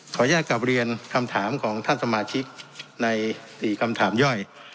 อนุญาตกลับเรียนคำถามของท่านสมาชิกใน๔คำถามย่อย